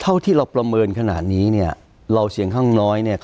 เท่าที่เราประเมินขนาดนี้เนี่ยเราเสียงข้างน้อย